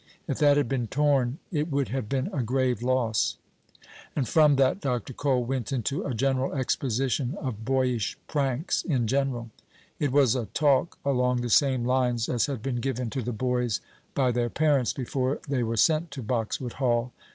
If that had been torn it would have been a grave loss. And from that Dr. Cole went into a general exposition of boyish pranks in general. It was a talk along the same lines as had been given to the boys by their parents before they were sent to Boxwood Hall.